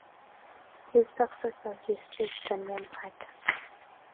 His successors received the name Hata.